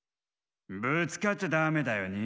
ぶつかっちゃダメだよね。